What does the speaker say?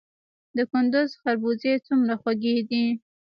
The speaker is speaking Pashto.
د کندز خربوزې څومره خوږې دي؟